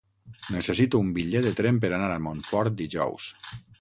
Necessito un bitllet de tren per anar a Montfort dijous.